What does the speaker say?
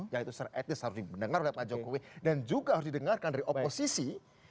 yaitu secara etis harus didengar oleh pak jokowi dan juga harus didengarkan dari oposisi